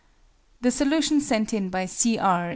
The solution sent in by C. R.